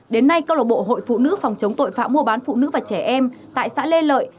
đến nay cơ lộ bộ hội phụ nữ phòng chống tội phạm buôn bán phụ nữ và trẻ em tại xã lê lợi